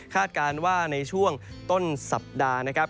การว่าในช่วงต้นสัปดาห์นะครับ